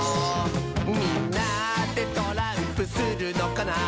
「みんなでトランプするのかな？」